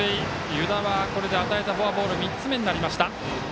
湯田はこれで与えたフォアボール３つ目になりました。